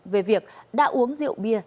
về việc đã uống rượu bia